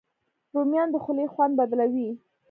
رومیان د خولې خوند بدلوي